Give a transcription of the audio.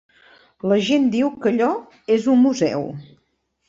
La gent diu que allò és un museu.